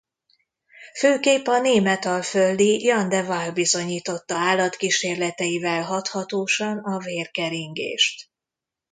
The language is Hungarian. Főképp a németalföldi Jan de Walle bizonyította állatkísérleteivel hathatósan a vérkeringést.